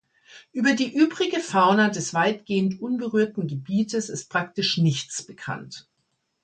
Über die übrige Fauna des weitgehend unberührten Gebietes ist praktisch nichts bekannt.